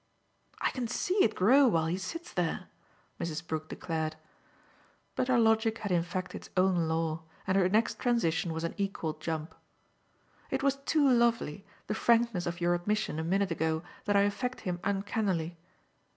"I can see it grow while he sits there," Mrs. Brook declared. But her logic had in fact its own law, and her next transition was an equal jump. "It was too lovely, the frankness of your admission a minute ago that I affect him uncannily.